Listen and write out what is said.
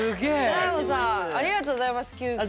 だーごさんありがとうございます急きょ。